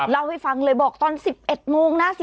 เล่าให้ฟังเลยบอกตอน๑๑โมงนะ